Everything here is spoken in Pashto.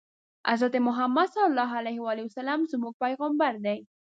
حضرت محمد ص زموږ پیغمبر دی